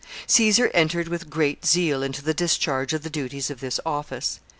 Caesar entered with great zeal into the discharge of the duties of this office.